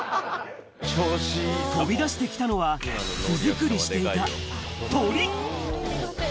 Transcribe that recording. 飛びだしてきたのは巣作りしていた鳥。